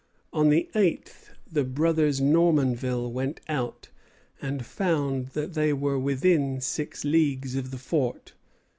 On the eighth the brothers Normanville went out, and found that they were within six leagues of the fort.